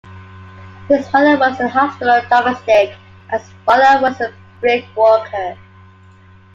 His mother was a hospital domestic and his father was a brickworker.